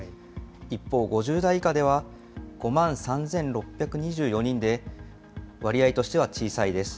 一方５０代以下では、５万３６２４人で、割合としては小さいです。